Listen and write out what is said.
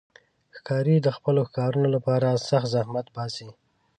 ښکاري د خپلو ښکارونو لپاره سخت زحمت باسي.